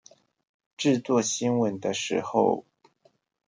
製作新聞的時候